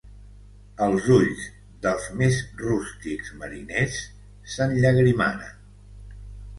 Els ulls dels més rústics mariners s'enllagrimaren.